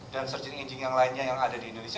dan searching engine yang lainnya yang ada di indonesia